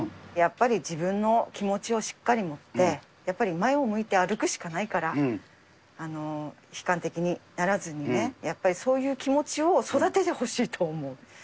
やっぱり自分の気持ちをしっかり持って、やっぱり前を向いて歩くしかないから、悲観的にならずにね、やっぱりそういう気持ちを育ててほしいと思う。